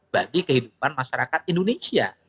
bagi kehidupan masyarakat indonesia